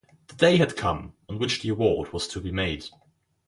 The day had come on which the award was to be made.